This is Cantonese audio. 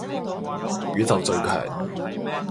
宇宙最強